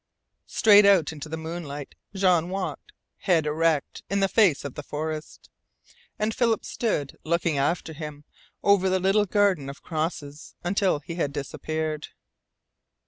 Straight out into the moonlight Jean walked, head erect, in the face of the forest. And Philip stood looking after him over the little garden of crosses until he had disappeared.